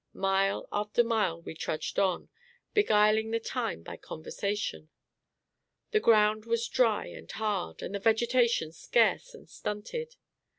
Mile after mile, we trudged on, beguiling the time by conversation. The ground was dry and hard, and the vegetation scarce and stunted.